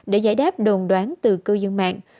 để giải đáp đồn đoán từ cư dân mạng